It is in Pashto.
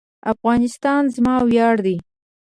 افغانستان زما ویاړ دی؟